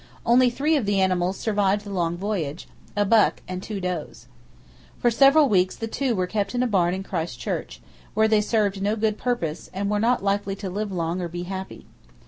Only three of the animals survived the long voyage; a buck and two does. For several weeks the two were kept in a barn in Christchurch, where they served no good purpose, and were not likely to live long or be happy.